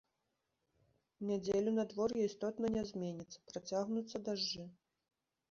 У нядзелю надвор'е істотна не зменіцца, працягнуцца дажджы.